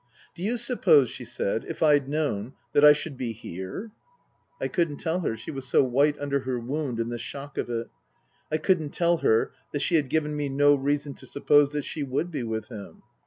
" Do you suppose," she said, " if I'd known that I should be here P " I couldn't tell her she was so white under her wound and the shock of it I couldn't tell her that she had given me no reason to suppose that she would be with him.